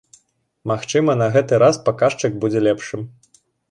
Магчыма, на гэты раз паказчык будзе лепшым.